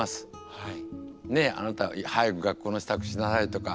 はい。